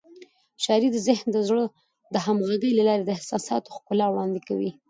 شاعري د ذهن او زړه د همغږۍ له لارې د احساساتو ښکلا وړاندې کوي.